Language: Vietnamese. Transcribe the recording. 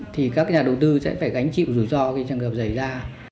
thì các nhà đầu tư sẽ phải gánh chịu rủi ro khi trường hợp xảy ra